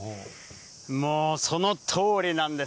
もうそのとおりなんです。